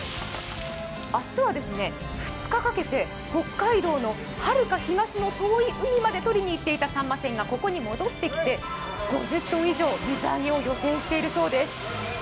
明日は２日かけて北海道のはるか東の遠い海までとりに行っていたさんま船がここに戻ってきて５０ｔ以上水揚げを予定しているそうです。